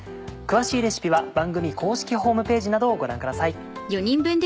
詳しいレシピは番組ホームページなどをご覧ください。